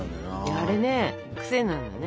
あれね癖になるのよね。